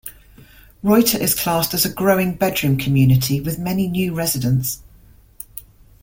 Reute is classed as a growing bedroom community with many new residents.